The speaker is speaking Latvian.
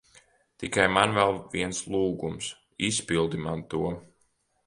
Tikai man vēl viens lūgums. Izpildi man to.